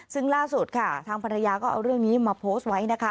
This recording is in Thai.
ซึ่งล่าสุดค่ะทางภรรยาก็เอาเรื่องนี้มาโพสต์ไว้นะคะ